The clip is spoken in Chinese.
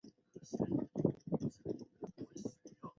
先后参加过黄桥战役等战役。